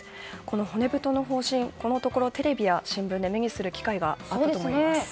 このところテレビや新聞で目にする機会があったと思います。